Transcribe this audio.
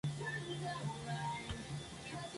Se encuentra en Israel y Jordania.